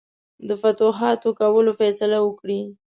د فتوحاتو کولو فیصله وکړي.